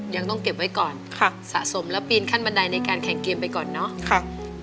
ยังต้องเก็บไว้ก่อนค่ะสะสมแล้วปีนขั้นบันไดในการแข่งเกมไปก่อนเนาะ